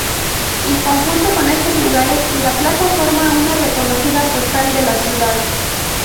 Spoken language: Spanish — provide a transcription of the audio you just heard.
En conjunto con estos lugares, la plaza forma una reconocida postal de la ciudad.